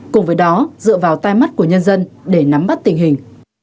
cùng với đó dựa vào tai mắt của nhân dân để nắm bắt tình hình